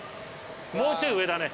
もうちょい上だね。